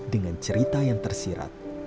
dengan cerita yang tersirat